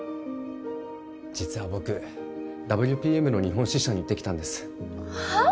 実は僕ＷＰＭの日本支社に行ってきたんですはっ！？